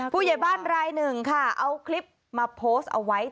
ผู้ใหญ่บ้านรายหนึ่งค่ะเอาคลิปมาโพสต์เอาไว้